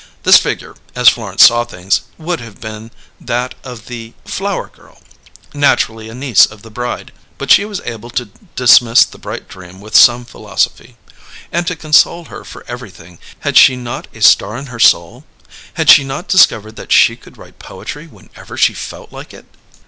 This figure, as Florence saw things, would have been that of the "Flower Girl," naturally a niece of the bride; but she was able to dismiss the bright dream with some philosophy. And to console her for everything, had she not a star in her soul? Had she not discovered that she could write poetry whenever she felt like it?